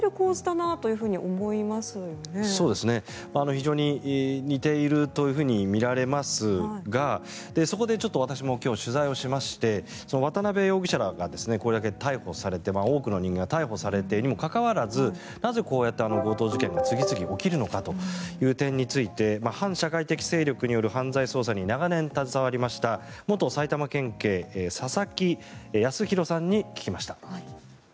非常に似ているというふうにみられますがそこで、私も今日取材をしまして渡邉容疑者らがこれだけ逮捕されて多くの人間が逮捕されているにもかかわらずなぜ、こうやって強盗事件が次々起きるのかという点について反社会的勢力による犯罪捜査に長年携わりました元埼玉県警、佐々木保博さんに聞きました。